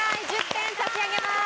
１０点差し上げます。